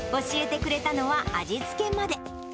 教えてくれたのは味付けまで。